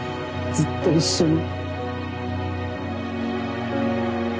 ずっと一緒に。